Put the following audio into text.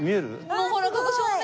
もうほらここ正面。